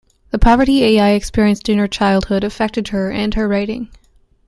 The poverty Ai experienced during her childhood affected her and her writing.